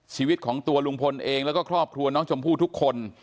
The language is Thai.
ชีวิตของตัวลุงพลเองแล้วก็ครอบครัวน้องชมพู่ทุกคน